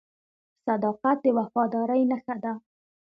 • صداقت د وفادارۍ نښه ده.